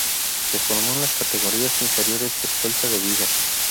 Se formó en las categorías inferiores del Celta de Vigo.